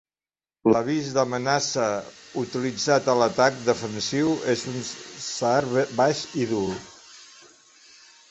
L'avís d'amenaça utilitzat a l'atac defensiu és un zaar baix i dur.